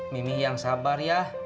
mimi yang sabar ya